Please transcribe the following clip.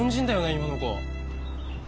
今の子。